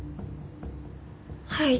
はい。